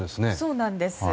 そうなんです。